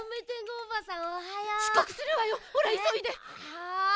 はい！